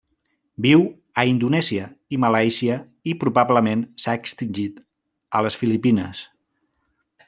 Viu a Indonèsia i Malàisia i probablement s'ha extingit a les Filipines.